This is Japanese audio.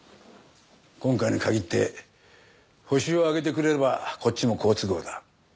今回に限ってホシを挙げてくれればこっちも好都合だ。